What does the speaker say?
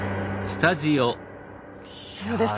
どうでした？